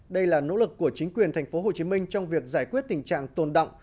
đây là nỗ lực của chính quyền thành phố hồ chí minh trong việc giải quyết tình trạng tồn động